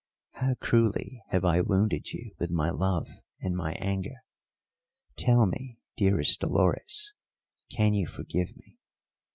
How cruelly have I wounded you with my love and my anger! Tell me, dearest Dolores, can you forgive me?"